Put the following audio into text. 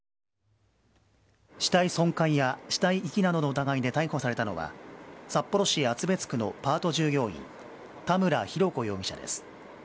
死体損壊や死体遺棄などの疑いで逮捕されたのは、札幌市厚別区のパート従業員、田村浩子容疑者です。